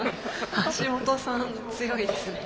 橋本さん強いですね。